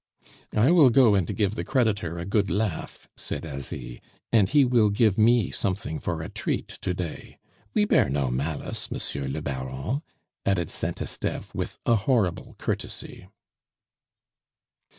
"I will go and give the creditor a good laugh," said Asie, "and he will give me something for a treat to day. We bear no malice, Monsieur le Baron," added Saint Esteve with a horrible courtesy.